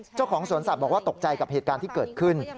เจ้าของสวนสัตว์บอกว่าตกใจกับเหตุการณ์ที่เกิดขึ้น